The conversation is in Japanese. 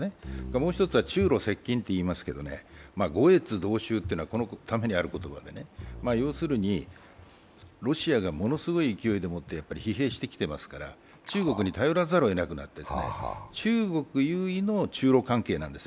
もう一つは中ロ接近といいますけど呉越同舟というのはこのためにある言葉でね要するにロシアがものすごい勢いでもって疲弊してきていますから中国に頼らざるをえなくなって、中国優位の中ロ関係なんです。